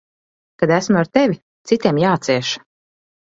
Kad esmu ar tevi, citiem jācieš.